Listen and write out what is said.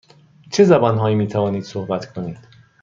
چه زبان هایی می توانید صحبت کنید؟